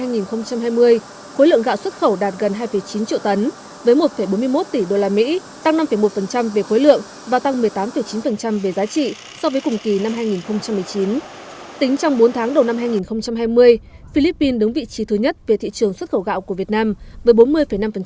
gạo xuất khẩu có các chủng loại như sau